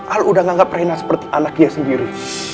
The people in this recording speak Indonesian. al udah nganggep reina seperti anaknya sendiri